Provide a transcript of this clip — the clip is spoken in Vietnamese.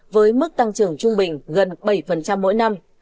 với mức tăng trưởng trung bình gần bảy mỗi năm